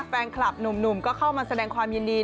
แฟนคลับหนุ่มก็เข้ามาแสดงความยินดี